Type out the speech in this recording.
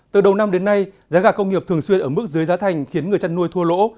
từ đầu năm đến nay giá gà công nghiệp thường xuyên ở mức dưới giá thành khiến người chăn nuôi thua lỗ